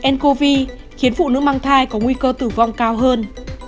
n cov khiến phụ nữ mang thai có nguy cơ tử vong cao hơn